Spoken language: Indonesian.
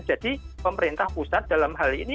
jadi pemerintah pusat dalam hal ini